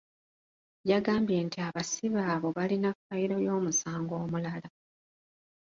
Yagambye nti abasibe abo balina ffayiro y’omusango omulala.